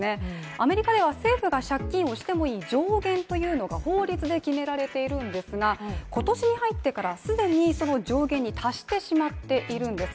アメリカでは政府が借金をしてもいい上限というのが法律で決められているんですが今年に入ってから、既にその上限に達してしまっているんです。